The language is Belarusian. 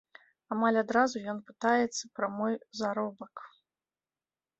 Амаль адразу ён пытаецца пра мой заробак.